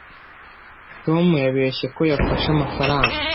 tom yabeshye ko yafashe amafaranga